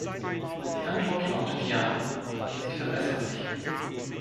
Die Antwort lautet "Ja", sie verbessert sich.